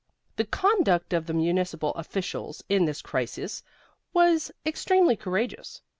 The conduct of the municipal officials in this crisis was extremely courageous.